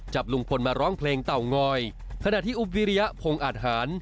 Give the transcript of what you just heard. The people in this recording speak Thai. ลุงพลมาร้องเพลงเต่างอยขณะที่อุ๊บวิริยพงศ์อาทหาร